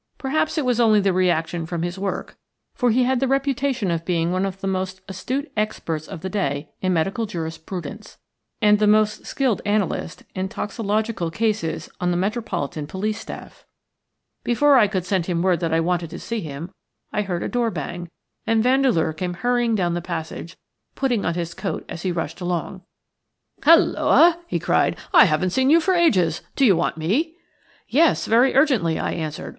Perhaps it was only the reaction from his work, for he had the reputation of being one of the most astute experts of the day in medical jurisprudence, and the most skilled analyst in toxicological cases on the Metropolitan Police staff. Before I could send him word that I wanted to see him I heard a door bang, and Vandeleur came hurrying down the passage, putting on his coat as he rushed along. "Halloa!" he cried. "I haven't seen you for ages. Do you want me?" "Yes, very urgently," I answered.